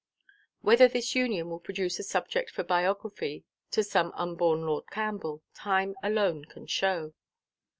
Whether this union will produce a subject for biography to some unborn Lord Campbell, time alone can show.